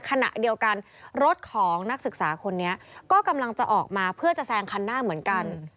ขณะเดียวกันรถของนักศึกษาคนนี้ก็กำลังจะออกมาเพื่อจะแซงคันหน้าเหมือนกัน